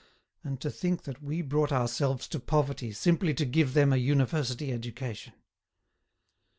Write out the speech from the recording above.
And to think that we brought ourselves to poverty simply to give them a university education!"